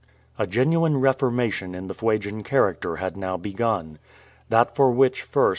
A genuine reformation in the Fuegian character had now begun. Tliat for which, first.